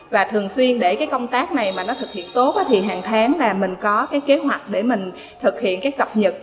và thường xuyên để công tác này mà nó thực hiện tốt thì hàng tháng là mình có kế hoạch để mình thực hiện cập nhật